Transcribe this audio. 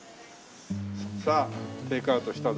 さあテイクアウトしたぞ。